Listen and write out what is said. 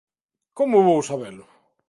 Como vou sabelo?